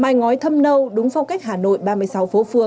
mai ngói thâm nâu đúng phong cách hà nội ba mươi sáu phố